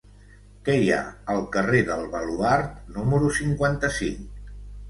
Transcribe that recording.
Què hi ha al carrer del Baluard número cinquanta-cinc?